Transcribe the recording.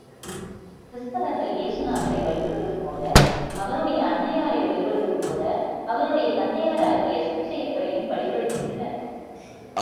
கிறித்தவர்கள் ஏசுநாதரை வழிபடுவது போலஅவருடைய அன்னை யாரை வழிபடுவது போலஅவருடைய தந்தையாராகிய சூசையப்பரையும் வழிபடுகின்றளர்.